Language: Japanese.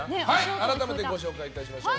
改めてご紹介しましょう。